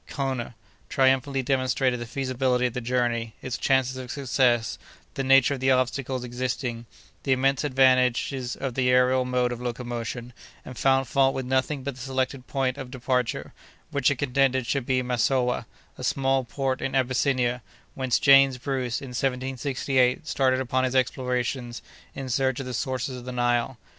Koner, triumphantly demonstrated the feasibility of the journey, its chances of success, the nature of the obstacles existing, the immense advantages of the aërial mode of locomotion, and found fault with nothing but the selected point of departure, which it contended should be Massowah, a small port in Abyssinia, whence James Bruce, in 1768, started upon his explorations in search of the sources of the Nile.